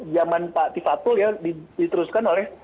zaman pak tifatul ya diteruskan oleh